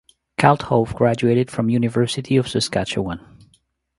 Kalthoff graduated from University of Saskatchewan.